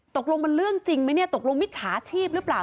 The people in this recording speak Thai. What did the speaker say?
ตกลงมันเรื่องจริงไหมเนี่ยตกลงมิจฉาชีพหรือเปล่า